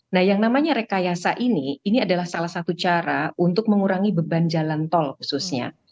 nah yang namanya rekayasa ini ini adalah salah satu cara untuk mengurangi beban jalan tol khususnya